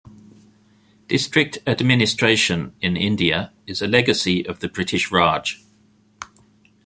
District Administration in India is a legacy of the British Raj.